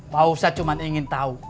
pausat cuma ingin tahu